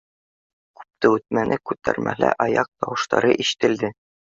Күп тә үтмәне, күтәрмәлә аяҡ тауыштары ишетелде